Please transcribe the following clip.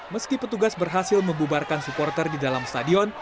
meski petugas berhasil membubarkan supporter di dalam stadion